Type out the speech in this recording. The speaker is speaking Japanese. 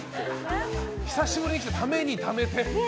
久しぶりに来て、ためにためて。